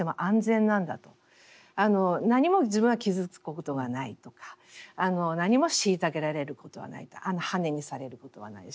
何も自分は傷つくことがないとか何も虐げられることはないとはねにされることはないしという。